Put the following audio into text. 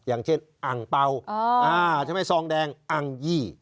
อย่างเช่นอังเปล่าใช่ไหมซองแดงอังยี่